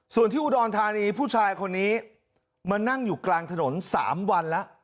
ส่วนที่อุดรธานีผู้ชายคนนี้มานั่งอยู่กลางถนน๓วันแล้ว